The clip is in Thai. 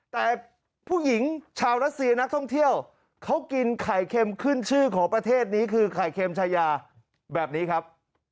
แต่ผู้หญิงชาวรัสเซียนักท่องเที่ยวเขากินไข่เค็มขึ้นชื่อของประเทศนี้คือไข่เค็มชายาแบบนี้ครับ